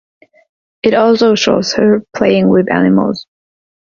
It also shows her playing with animals.